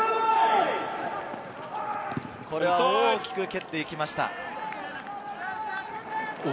これは大きく蹴っていきました。